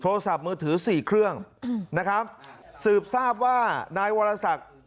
โทรศัพท์มือถือสี่เครื่องนะครับสืบทราบว่านายวรศักดิ์